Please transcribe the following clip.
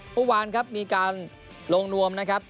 เมื่อวานครับมีการลงนวมนะครับ